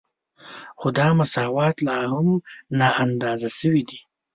خو دا مساوات لا هم نااندازه شوی دی